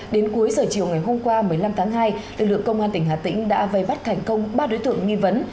đến cuối giờ chiều ngày hôm qua một mươi năm tháng hai lực lượng công an tỉnh hà tĩnh đã vây bắt thành công ba đối tượng nghi vấn